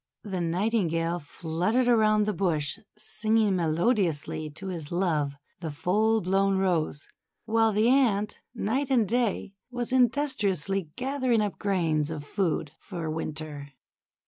The Nightingale fluttered around the bush, singing melodiously to his love the full blown Rose, while the Ant, night and day, was in dustriously gathering up grains of food for Winter.